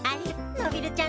のびるちゃん